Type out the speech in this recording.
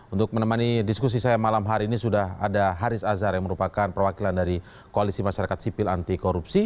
untuk menemani diskusi saya malam hari ini sudah ada haris azhar yang merupakan perwakilan dari koalisi masyarakat sipil anti korupsi